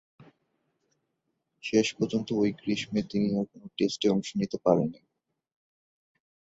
শেষ পর্যন্ত ঐ গ্রীষ্মে তিনি আর কোন টেস্টেই অংশ নিতে পারেননি।